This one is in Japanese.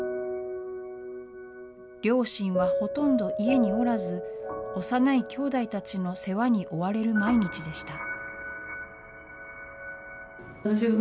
両親はほとんど家におらず、幼い兄弟たちの世話に追われる毎日でした。